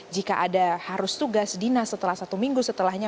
jika ada harus tugas dinas setelah satu minggu setelahnya